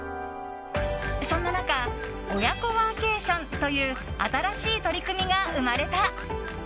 そんな中親子ワーケーションという新しい取り組みが生まれた。